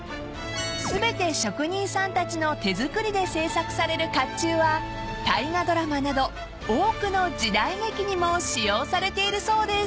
［全て職人さんたちの手作りで制作される甲冑は大河ドラマなど多くの時代劇にも使用されているそうです］